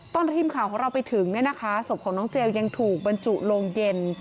ตอนทีมข่าวของเราไปถึงเนี่ยนะคะศพของน้องเจลยังถูกบรรจุโรงเย็น